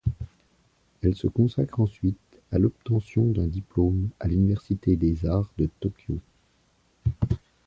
Elle se consacre ensuite à l'obtention d'un diplôme à l'Université des arts de Tokyo.